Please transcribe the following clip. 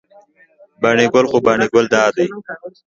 بانی ګل خو بانی ګل داي